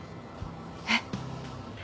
えっ。